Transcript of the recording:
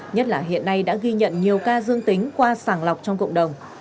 nhất là hiện nay đã ghi nhận nhiều ca dương tính qua sàng lọc trong cộng đồng